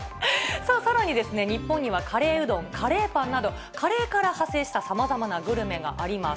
さあ、さらに、日本には、カレーうどん、カレーパンなど、カレーから派生したさまざまなグルメがあります。